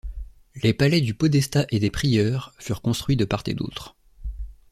Les palais du podestat et des prieurs furent construits de part et d'autre.